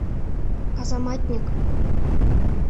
Казаматньык!